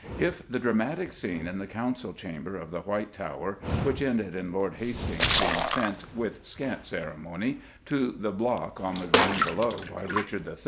If the dramatic scene in the Council Chamber of the White Tower, which ended in Lord Hastings being sent, with scant ceremony, to the block on the Green below by Richard III.